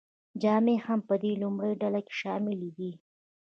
جامې هم په دې لومړۍ ډله کې شاملې دي.